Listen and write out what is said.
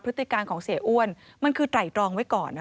พฤติการของเสียอ้วนมันคือไตรตรองไว้ก่อน